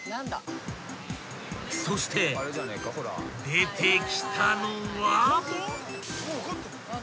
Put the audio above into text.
［そして出てきたのは］